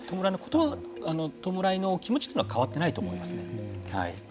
弔いの気持ちというのは変わってないと思いますね。